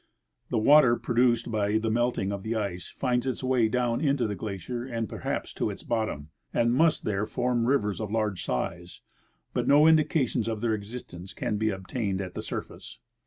The water pro duced by the melting of the ice finds its way down into the glacier and perhaps to its bottom, and must there form rivers of large size ; but no indications of their existence can be obtained at the surface.